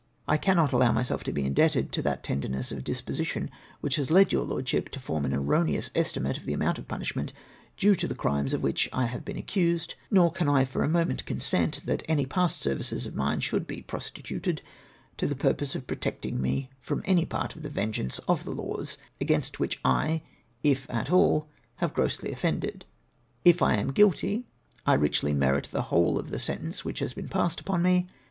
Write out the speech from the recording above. I cannot allow myself to be indebted to that tenderness of disposition, which has led your Lordship to form an erroneous estimate of the amount of punishment due to the crimes of which I have been accused ; nor can I for a moment consent, that any past services of mine should be prostituted to the purpose of protecting me from anj part of the vengeance of the laws against which I, if at all, have grossly offended. If I mil guilty, I Ticldy riierit the whole of the sentence which has been ijassed upon me.